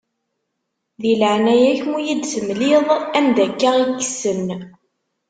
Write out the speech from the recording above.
Di leɛnaya-k, ma ur iyi-d-temliḍ anda akka i kessen.